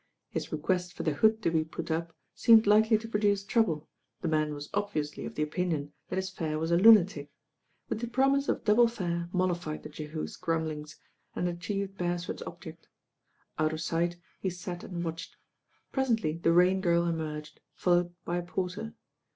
His request for the hood to be put up seemed likely to produce trouble, the man was obviously of th« opin ion that his fare was a lunatic; but the promise of double fare moUified the Jehu's grumblings, aud achieved Beresford's object. Out of sight he sat and watched. Presently the Raln Girl emerged, followed by a porter.